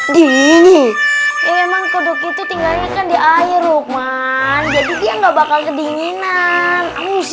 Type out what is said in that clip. dihihi memang kodok itu tinggalnya di air rukman jadi dia nggak bakal kedinginan